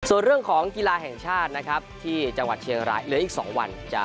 ส่วนเรื่องของกีฬาแห่งชาตินะครับที่จังหวัดเชียงรายเหลืออีก๒วัน